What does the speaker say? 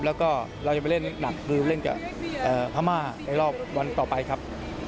แล้วก็เราจะไปเล่นหนักคือเล่นกับพม่าในรอบวันต่อไปครับ